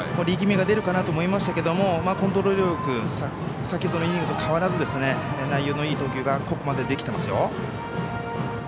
力みが出るかなと思いましたけどコントロール力先ほどのイニングと変わらず内容のいい投球がここまでできていますよ。